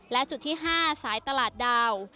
และจุดที่๕สายตลาดดาว